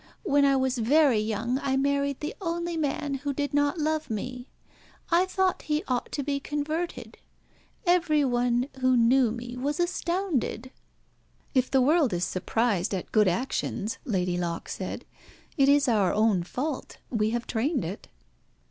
When I was very young I married the only man who did not love me. I thought he ought to be converted. Every one who knew me was astounded." "If the world is surprised at good actions," Lady Locke said, "it is our own fault. We have trained it."